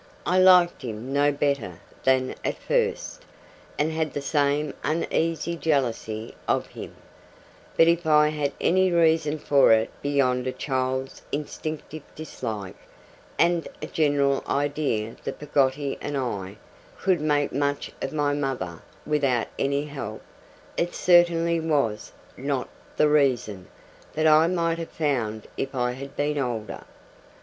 I liked him no better than at first, and had the same uneasy jealousy of him; but if I had any reason for it beyond a child's instinctive dislike, and a general idea that Peggotty and I could make much of my mother without any help, it certainly was not THE reason that I might have found if I had been older.